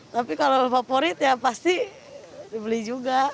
tapi kalau favorit ya pasti dibeli juga